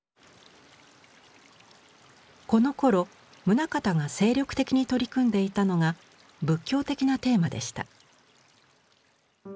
このころ棟方が精力的に取り組んでいたのが仏教的なテーマでした。